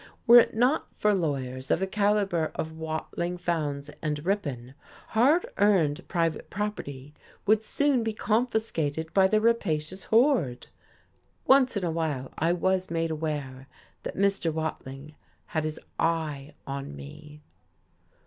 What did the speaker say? Were it not for lawyers of the calibre of Watling, Fowndes and Ripon, hard earned private property would soon be confiscated by the rapacious horde. Once in a while I was made aware that Mr. Watling had his eye on me.